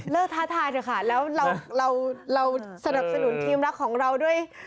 ท้าทายเถอะค่ะแล้วเราสนับสนุนทีมรักของเราด้วย